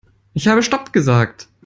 Ich habe stopp gesagt.